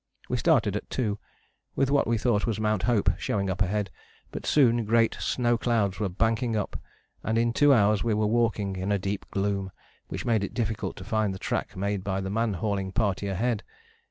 We started at 2, with what we thought was Mount Hope showing up ahead, but soon great snow clouds were banking up and in two hours we were walking in a deep gloom which made it difficult to find the track made by the man hauling party ahead.